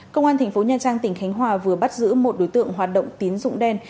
công an tp nha trang tỉnh khánh hòa vừa bắt giữ một đối tượng hoạt động tín dụng đen